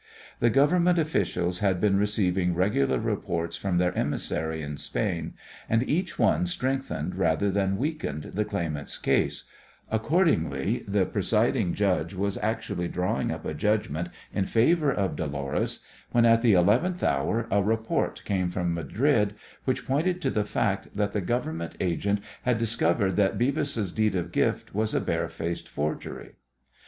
The Government officials had been receiving regular reports from their emissary in Spain, and each one strengthened rather than weakened the claimant's case; accordingly, the presiding judge was actually drawing up a judgment in favour of Dolores when at the eleventh hour a report came from Madrid which pointed to the fact that the Government agent had discovered that Beavis' deed of gift was a barefaced forgery.